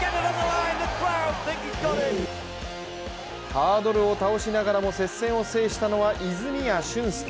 ハードルを倒しながらも接戦を制したのは泉谷駿介。